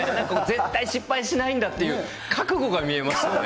絶対失敗しないんだっていう覚悟が見えますよね。